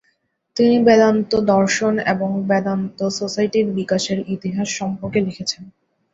তিনি বেদান্ত দর্শন এবং বেদান্ত সোসাইটির বিকাশের ইতিহাস সম্পর্কে লিখেছেন।